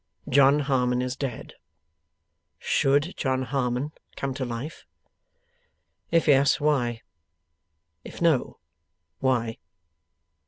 John Harmon is dead. Should John Harmon come to life? 'If yes, why? If no, why?